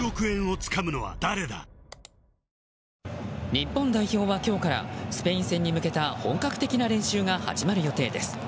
日本代表は今日からスペイン戦に向けた本格的な練習が始まる予定です。